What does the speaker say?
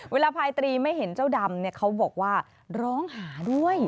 เวลาพลายตรีไม่เห็นเจ้าดำเขาบอกว่าร้องหาด้วย